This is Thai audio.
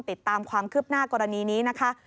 ติดตามความคืบหน้ากรณีนี้นะคะ